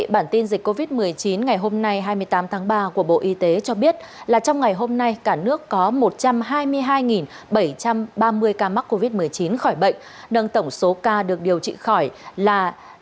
bản tin dịch covid một mươi chín ngày hôm nay hai mươi tám tháng ba của bộ y tế cho biết là trong ngày hôm nay cả nước có một trăm hai mươi hai bảy trăm ba mươi ca mắc covid một mươi chín khỏi bệnh nâng tổng số ca được điều trị khỏi là ba mươi